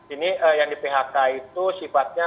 ini yang di phk itu sifatnya